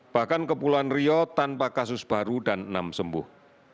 bahkan kepulauan rio tanpa kasus baru dan enam sembuh